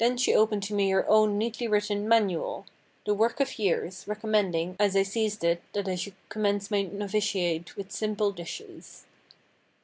Then she opened to me her own neatly written "Manual"—the work of years, recommending, as I seized it that I should commence my novitiate with simple dishes.